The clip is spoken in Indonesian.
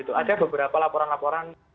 ada beberapa laporan laporan